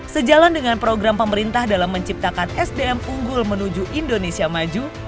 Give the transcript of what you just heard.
sejalan dengan program pemerintah dalam menciptakan sdm unggul menuju indonesia maju